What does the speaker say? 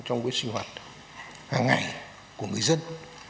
trong cái sinh hoạt hàng ngày của người dân